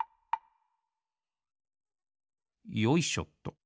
よいしょっと！